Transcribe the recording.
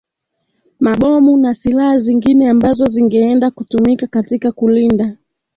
mabomu na silaha zingine ambazo zingeenda kutumika katika kulinda